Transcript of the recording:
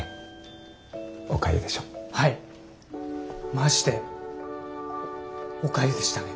マジでおかゆでしたね。